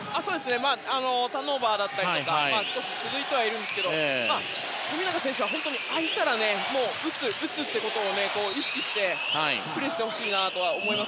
ターンオーバーだったりとか少し続いていますが富永選手は合ったら打つということを意識してプレーしてほしいなと思います。